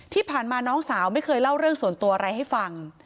ที่ผ่านมาน้องสาวไม่เคยเล่าเรื่องส่วนตัวอะไรให้ฟัง